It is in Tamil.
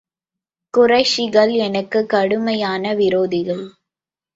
குறைஷிகள் எனக்குக் கடுமையான விரோதிகள்.